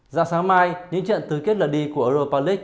già sáng mai những trận tứ kết lần đi của europa league